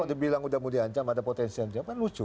kok dibilang udah mau diancam ada potensi yang ada kan lucu